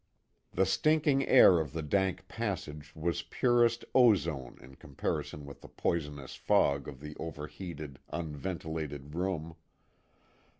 The stinking air of the dank passage was purest ozone in comparison with the poisonous fog of the overheated, unventilated room.